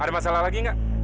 ada masalah lagi gak